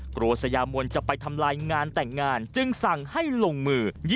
สยามวลจะไปทำลายงานแต่งงานจึงสั่งให้ลงมือ